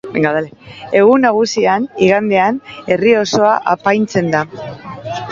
Egun nagusian, igandean, herri osoa apaintzen da.